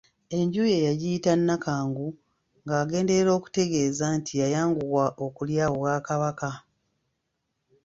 Enju ye yagiyita Nakangu ng'agenderera okutegeeza nti yayanguwa okulya obwakabaka.